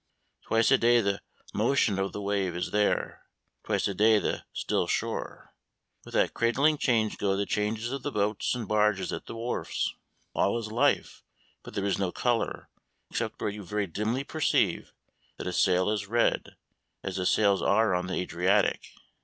Twice a day the motion of the wave is there, twice a day the still shore. With that cradling change go the changes of the boats and barges at the wharves. All is life, but there is no colour, except where you very dimly perceive that a sail is red as the sails are on the Adriatic.